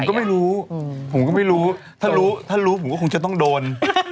ก็ไม่รู้ผมก็ไม่รู้ถ้ารู้ถ้ารู้ผมก็คงจะต้องโดน